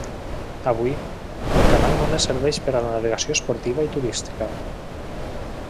Avui, el canal només serveix per a la navegació esportiva i turística.